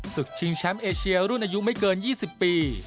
ศึกชิงแชมป์เอเชียรุ่นอายุไม่เกิน๒๐ปี